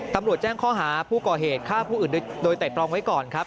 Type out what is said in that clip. ตำรวจแจ้งข้อหาผู้ก่อเหตุฆ่าผู้อื่นโดยไตรตรองไว้ก่อนครับ